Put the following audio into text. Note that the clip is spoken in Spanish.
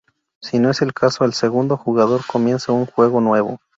Si no es el caso, el segundo jugador comienza un juego nuevo.